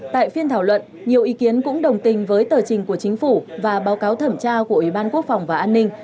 tại phiên thảo luận nhiều ý kiến cũng đồng tình với tờ trình của chính phủ và báo cáo thẩm tra của ủy ban quốc phòng và an ninh